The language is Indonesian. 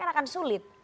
kan akan sulit